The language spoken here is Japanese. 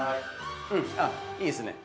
あっいいですね。